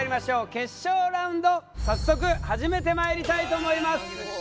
決勝ラウンド早速始めてまいりたいと思います。